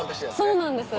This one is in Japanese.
そうなんです。